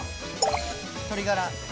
鶏ガラ。